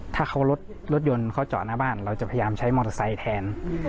ถ้าเขารถยนต์เขาจอดหน้าบ้านเราจะพยายามใช้มอเตอร์ไซค์แทน